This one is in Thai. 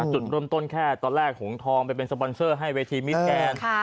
จุดเริ่มต้นแค่ตอนแรกหงทองไปเป็นสปอนเซอร์ให้เวทีมิดแกน